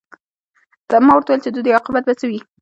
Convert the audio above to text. ما ورته وویل چې د دوی عاقبت به څه وي